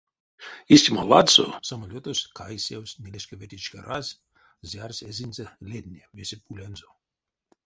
Истямо ладсо самолётось кайсевсь нилешка-ветешка раз, зярс эзинзе ледне весе пулянзо.